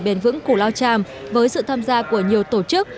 bền vững cù lao chàm với sự tham gia của nhiều tổ chức